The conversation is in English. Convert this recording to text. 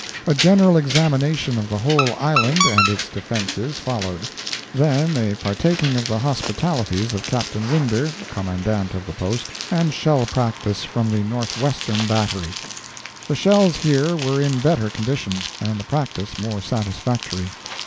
A general examination of the whole Island and its defences followed; then a partaking of the hospitalities of Capt. Winder, Commandant of the Post, and shell practice from the northwestern battery. The shells here were in better condition, and the practice more satisfactory.